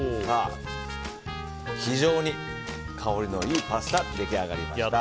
非常に香りのいいパスタ出来上がりました。